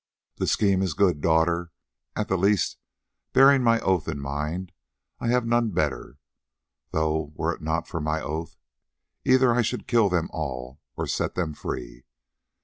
"The scheme is good, daughter; at the least, bearing my oath in mind, I have none better, though were it not for my oath, either I should kill them all or set them free.